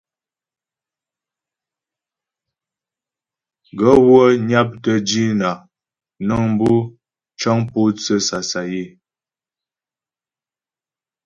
Gaə̂ wə́ nyaptə́ dínà nəŋ bu cəŋ mpótsə́ sasayə́.